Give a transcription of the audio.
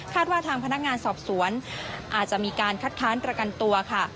ว่าทางพนักงานสอบสวนอาจจะมีการคัดค้านประกันตัวค่ะ